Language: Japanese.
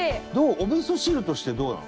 お味噌汁としてどうなの？